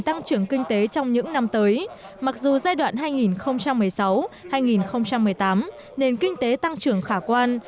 tăng trưởng kinh tế trong những năm tới mặc dù giai đoạn hai nghìn một mươi sáu hai nghìn một mươi tám nền kinh tế tăng trưởng khả quan